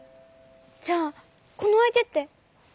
じゃあこのあいてって。